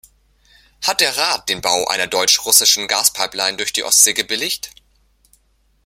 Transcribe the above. Hat der Rat den Bau einer deutsch-russischen Gaspipeline durch die Ostsee gebilligt?